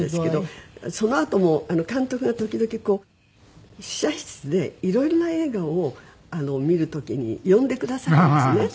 そのあとも監督が時々こう試写室でいろいろな映画を見る時に呼んでくださったんですね。